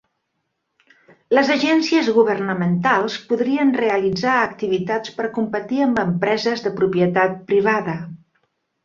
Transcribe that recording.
Les agències governamentals podrien realitzar activitats per competir amb empreses de propietat privada